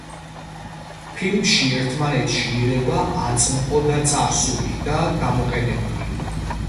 ფილმში ერთმანეთში ირევა აწმყო და წარსული და გამოყენებული.